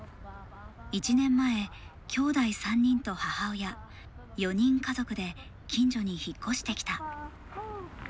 １年前、きょうだい３人と母親４人家族で近所に引っ越してきた。